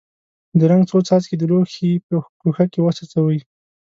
د رنګ څو څاڅکي د لوښي په ګوښه کې وڅڅوئ.